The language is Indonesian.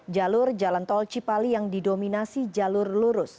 jalur jalan tol cipali yang didominasi jalur lurus